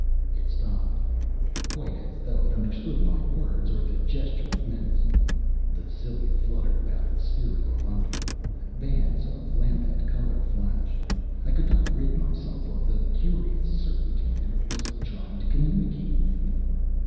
It stopped, quite as though it understood my words or the gesture of menace. The cilia fluttered about its spherical body. Bands of lambent color flashed. I could not rid myself of the curious certainty, that it was trying to communicate with me.